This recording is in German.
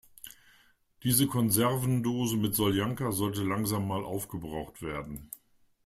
Diese Konservendose mit Soljanka sollte langsam mal aufgebraucht werden.